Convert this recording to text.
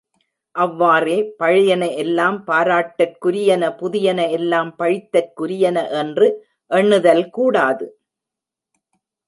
அவ்வாறே, பழையன எல்லாம் பாராட்டற்குரியன புதியன எல்லாம் பழித்தற்குரியன என்று எண்ணுதல் கூடாது.